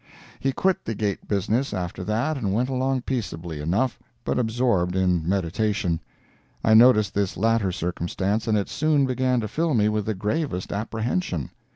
He quit the gate business after that and went along peaceably enough, but absorbed in meditation. I noticed this latter circumstance, and it soon began to fill me with the gravest apprehension.